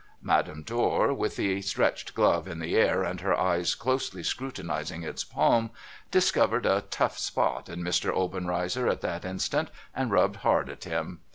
Madame Dor, with the stretched glove in the air, and her eyes closely scrutinizing its palm, discovered a tough spot in Mr. Obenreizer at that instant, and rubbed hard at him.